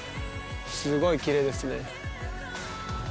すごいきれいですね。